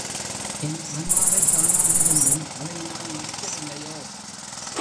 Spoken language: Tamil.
என் ஆன்மாவைக் காணாதிருந்தும் அதை நான் மதிக்கவில்லையோ?